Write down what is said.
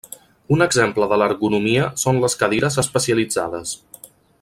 Un exemple de l'ergonomia són les cadires especialitzades.